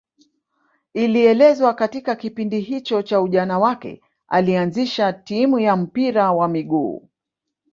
Inaelezwa katika kipindi hicho cha ujana wake alianzisha timu ya mpira wa miguu